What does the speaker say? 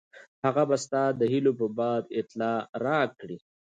هغه به ستا د هیلو په باب اطلاع راکړي.